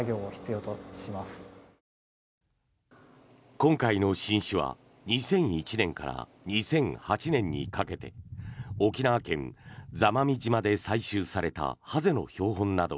今回の新種は２００１年から２００８年にかけて沖縄県・座間味島で採集されたハゼの標本など